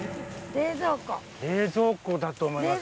冷蔵庫だと思います